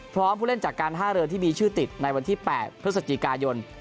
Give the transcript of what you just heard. ผู้เล่นจากการท่าเรือที่มีชื่อติดในวันที่๘พฤศจิกายน